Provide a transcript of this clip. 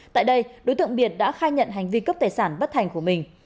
tại đây đối tượng biệt đã khai nhận hành vi cướp tài sản bất thành của mình